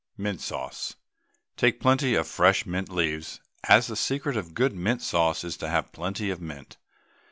MINT SAUCE. Take plenty of fresh mint leaves, as the secret of good mint sauce is to have plenty of mint.